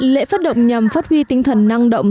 lễ phát động nhằm phát huy tinh thần năng động